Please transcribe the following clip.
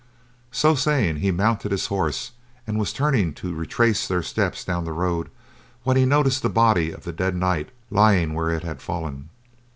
So saying, he mounted his horse and was turning to retrace their steps down the road when he noticed the body of the dead knight lying where it had fallen.